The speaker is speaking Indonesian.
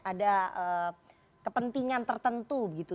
ada kepentingan tertentu gitu